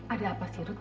ada apa sih rut